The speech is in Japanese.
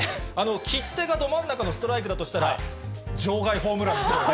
切手がど真ん中のストライクだとしたら、場外ホームランですよね。